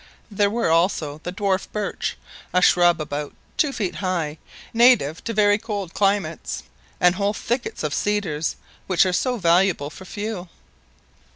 There were also the dwarf birch, a shrub about two feet high, native to very cold climates, and whole thickets of cedars, which are so valuable for fuel.